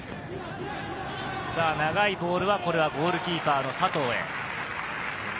長いボールはゴールキーパーの佐藤へ。